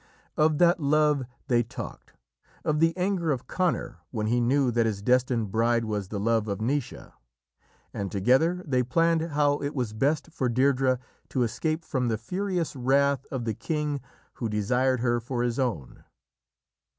Of that love they talked, of the anger of Conor when he knew that his destined bride was the love of Naoise, and together they planned how it was best for Deirdrê to escape from the furious wrath of the king who desired her for his own.